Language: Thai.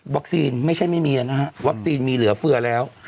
วัคซีนไม่ใช่ไม่มีนะฮะวัคซีนมีเหลือเพื่อแล้ว